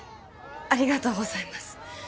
ありがとうございます。